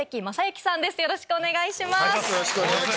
よろしくお願いします。